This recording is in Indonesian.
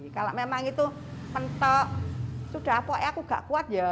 kalau memang itu penting sudah apa ya aku tidak kuat ya